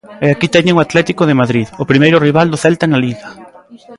E aquí teñen o Atlético de Madrid, o primeiro rival do Celta na Liga.